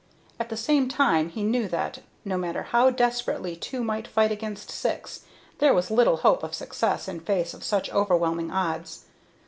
At the same time he knew that, no matter how desperately two might fight against six, there was little hope of success in face of such overwhelming odds.